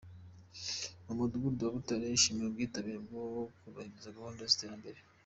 Mu Mudugudu wa Butare bashimiwe ubwitabire mu kubahiriza gahunda z’iterambere